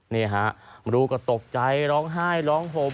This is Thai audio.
นี่ฮะลูกก็ตกใจร้องไห้ร้องห่ม